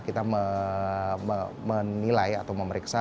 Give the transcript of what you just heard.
kita menilai atau memeriksa